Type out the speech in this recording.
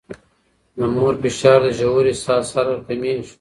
د مور فشار د ژورې ساه سره کمېږي.